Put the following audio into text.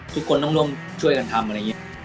ทุกคนต้องร่วมช่วยกันทำอะไรอย่างนี้